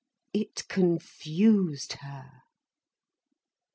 It confused her.